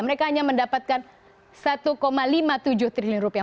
mereka hanya mendapatkan satu lima puluh tujuh triliun rupiah